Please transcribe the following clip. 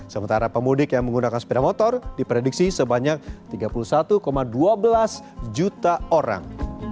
sementara pemudik yang menggunakan sepeda motor di prediksi sebanyak tiga puluh satu dua belas juta orang